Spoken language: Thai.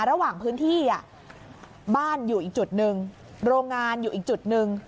ระหว่างพื้นที่บ้านอยู่อีกจุดหนึ่งโรงงานอยู่อีกจุดหนึ่ง